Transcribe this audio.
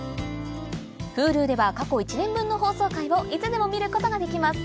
Ｈｕｌｕでは過去１年分の放送回をいつでも見ることができます